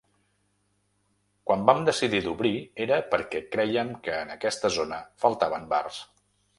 Quan vam decidir d’obrir, era perquè crèiem que en aquesta zona faltaven bars.